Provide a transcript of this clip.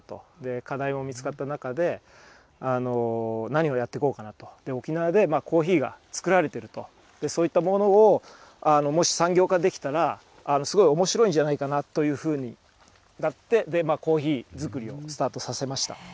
課題も見つかった中で、何をやってこうかなと、沖縄でコーヒーが作られてると、そういったものをもし産業化できたらすごいおもしろいんじゃないかなというふうになって、コーヒー作りをスタートさせました。